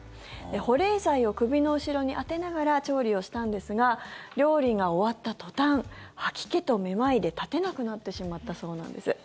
保冷剤を首の後ろに当てながら調理をしたんですが料理が終わった途端吐き気とめまいで立てなくなってしまったそうなんです。